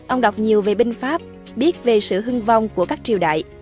ông đọc nhiều về binh pháp biết về sự hưng vong của các triều đại